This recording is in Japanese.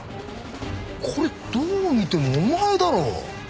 これどう見てもお前だろ。